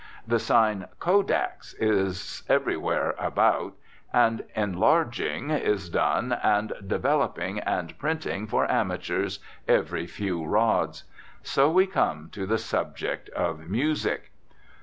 The sign "Kodaks" is everywhere about, and "enlarging" is done, and "developing and printing for amateurs" every few rods. So we come to the subject of music.